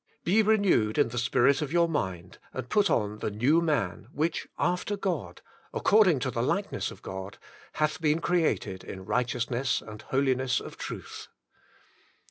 Be renewed in the spirit of your mind, and put on the new man, which AFTER GoD^ according to the likeness of God, hath been created in righteousness and holiness of truth.